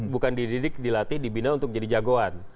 bukan dididik dilatih dibina untuk jadi jagoan